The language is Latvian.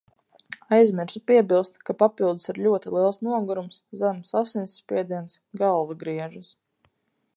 Aizmirsu piebilst, ka papildus ir ļoti liels nogurums, zems asinsspiediens, galva griežas.